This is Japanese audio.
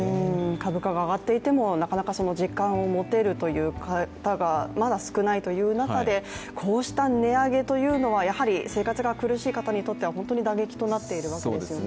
株価が上がっていても、なかなか実感を持てるという方がまだ少ないという中で、こうした値上げというのはやはり生活が苦しい方にとっては本当に打撃となっているわけですよね。